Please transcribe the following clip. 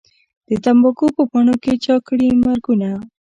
د تمباکو په پاڼو چا کړي مرګونه